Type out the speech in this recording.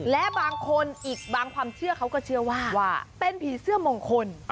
และบางคนอีกบางความเชื่อเขาก็เชื่อว่าเป็นผีเสื้อมงคล